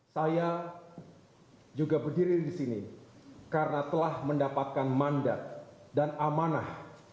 saya juga berdiri di sini karena telah mendapatkan mandat dan amanah